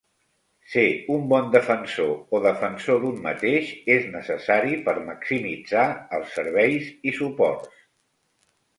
Ser un bon defensor o defensor d'un mateix és necessari per maximitzar els serveis i suports.